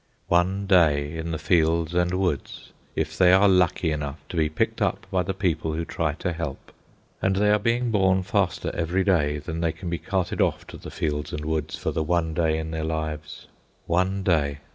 One day in the fields and woods, if they are lucky enough to be picked up by the people who try to help! And they are being born faster every day than they can be carted off to the fields and woods for the one day in their lives. One day!